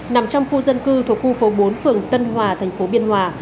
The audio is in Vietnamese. nằm trong khu dân cư thuộc khu phố bốn phường tân hòa thành phố biên hòa